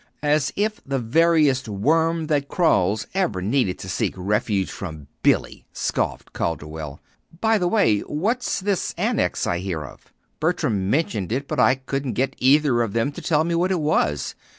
"As if the veriest worm that crawls ever needed to seek refuge from Billy!" scoffed Calderwell. "By the way, what's this Annex I hear of? Bertram mentioned it, but I couldn't get either of them to tell what it was.